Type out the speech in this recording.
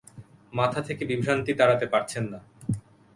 মাথা থেকে বিভ্রান্তি তাড়াতে পারছেন না।